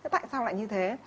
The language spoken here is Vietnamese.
tại sao lại như thế